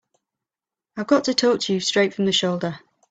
I've got to talk to you straight from the shoulder.